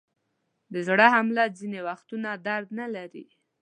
د زړه حمله ځینې وختونه درد نلري.